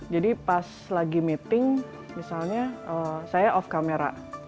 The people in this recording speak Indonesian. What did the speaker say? jadi pas lagi meeting misalnya saya off camera